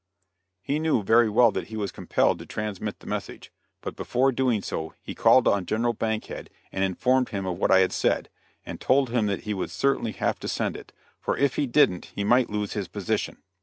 He knew very well that he was compelled to transmit the message, but before doing so he called on General Bankhead and informed him of what I had said, and told him that he would certainly have to send it, for if he didn't he might lose his position.